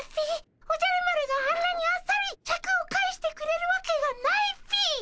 おじゃる丸があんなにあっさりシャクを返してくれるわけがないっピィ。